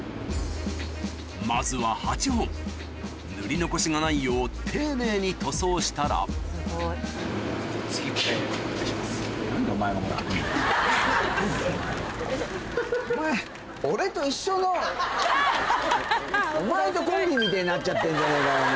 まずは８本塗り残しがないよう丁寧に塗装したらお前とコンビみてぇになっちゃってんじゃねえかよ。